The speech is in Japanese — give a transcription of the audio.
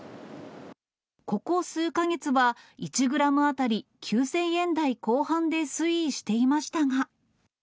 ここ数か月は１グラム当たり９０００円台後半で推移していましたが。